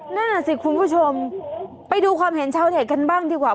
นั่นน่ะสิคุณผู้ชมไปดูความเห็นชาวเน็ตกันบ้างดีกว่า